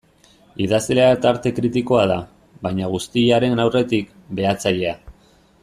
Idazlea eta arte kritikoa da, baina guztiaren aurretik, behatzailea.